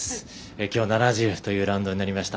きょう、７０というラウンドになりました。